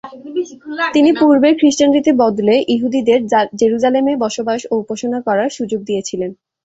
তিনি পূর্বের খ্রিষ্টান রীতি বদলে ইহুদিদেরকে জেরুজালেম এ বসবাস ও উপাসনা করার সুযোগ দিয়েছিলেন।